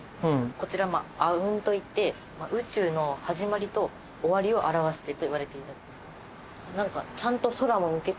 こちら阿吽といって宇宙の始まりと終わりを表しているといわれているんです。